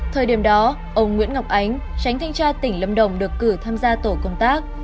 thời điểm đó ông nguyễn ngọc ánh tránh thanh tra tỉnh lâm đồng được cử tham gia tổ công tác